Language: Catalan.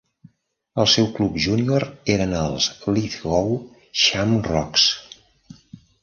El seu club júnior eren els Lithgow Shamrocks.